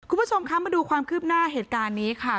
คุณผู้ชมคะมาดูความคืบหน้าเหตุการณ์นี้ค่ะ